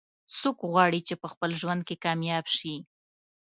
څوک غواړي چې په خپل ژوند کې کامیاب شي